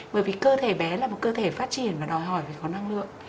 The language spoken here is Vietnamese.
bởi vì cơ thể bé là một cơ thể phát triển và đòi hỏi về có năng lượng